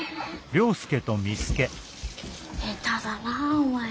下手だなお前。